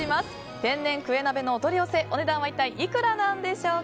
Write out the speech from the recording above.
天然クエ鍋のお取り寄せお値段は一体いくらなんでしょうか。